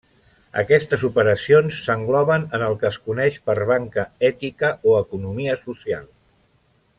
Aquestes operacions s'engloben en el que es coneix per banca ètica o economia social.